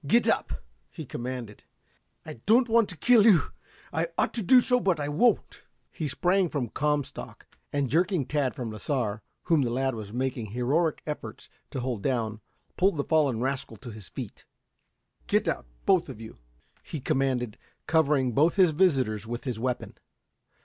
"Get up!" he commanded. "I don't want to kill you. I ought to do so, but I won't." He sprang from Comstock, and jerking Tad from Lasar, whom the lad was making heroic efforts to hold down, pulled the fallen rascal to his feet. "Get out, both of you!" he commanded, covering both his visitors with his weapon.